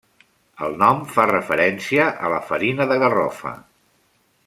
El nom fa referència a la farina de garrofa.